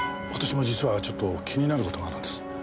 私も実はちょっと気になる事があるんです。